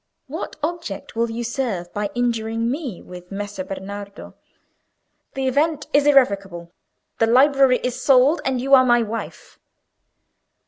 What object will you serve by injuring me with Messer Bernardo? The event is irrevocable, the library is sold, and you are my wife."